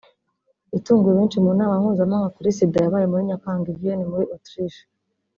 yatunguye benshi mu nama mpuzamahanga kuri Sida yabaye muri Nyakanga i Vienne muri Autriche